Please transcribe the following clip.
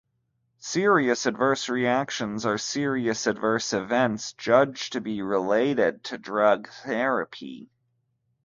Serious adverse reactions are serious adverse events judged to be related to drug therapy.